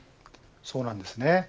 そうなんですね